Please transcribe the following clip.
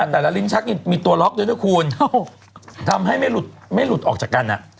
แต่ละลิ้นชักมีตัวล็อกด้วยด้วยคูณทำให้ไม่หลุดออกจากกัน